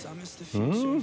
うん！